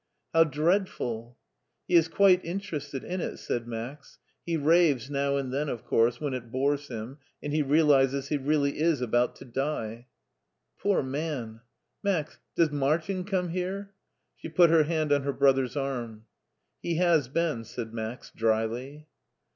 "How dreadful!" He is quite interested in it," said Max ;" he raves now and then of course, when it bores him, and he realizes he really is about to die." " Poor man ! Max, does Martin come here ?" She put her hand on her brother's arm. He has been," said Max dryly.